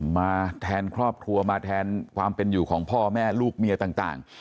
มาแทนครอบครัวมาแทนความเป็นอยู่ของพ่อแม่ลูกเมียต่าง